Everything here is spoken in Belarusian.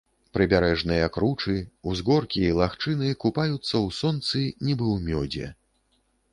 Прыбярэжныя кручы, узгоркі і лагчыны купаюцца ў сонцы, нібы ў мёдзе.